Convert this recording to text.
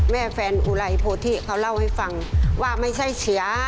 แม่แฟนอุลัยโพธิเขาเล่าให้ฟังว่าไม่ใช่เฉีย